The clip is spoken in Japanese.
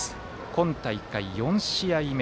今大会４試合目。